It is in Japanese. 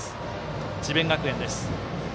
智弁学園です。